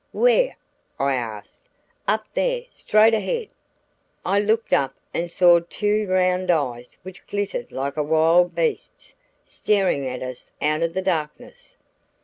"Where?" I asked. "Up there; straight ahead." I looked up and saw two round eyes which glittered like a wild beast's, staring at us out of the darkness.